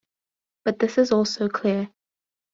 But this is also clear.